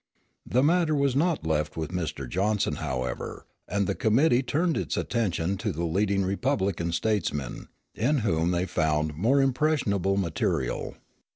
The matter was not left with Mr. Johnson, however; and the committee turned its attention to the leading Republican statesmen, in whom they found more impressionable material.